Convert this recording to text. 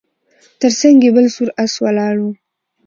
تر څنګ یې بل سور آس ولاړ و